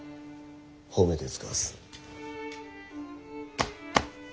褒めて遣わす。